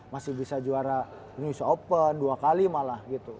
masih bisa juara news open dua kali malah gitu